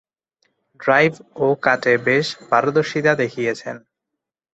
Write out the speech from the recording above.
Drive ও কাটে বেশ পারদর্শিতা দেখিয়েছেন।